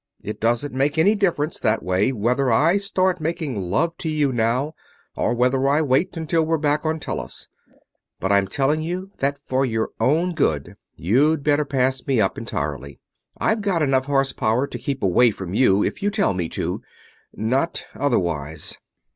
It doesn't make any difference, that way, whether I start making love to you now or whether I wait until we're back on Tellus; but I'm telling you that for your own good you'd better pass me up entirely. I've got enough horsepower to keep away from you if you tell me to not otherwise."